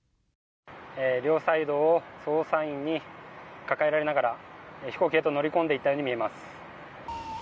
両サイドを捜査員に抱えられながら、飛行機へと乗り込んでいったように見えます。